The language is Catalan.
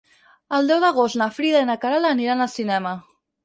El deu d'agost na Frida i na Queralt aniran al cinema.